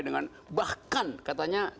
dengan bahkan katanya